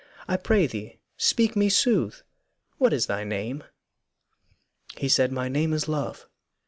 I pray thee speak me sooth What is thy name?' He said, 'My name is Love.'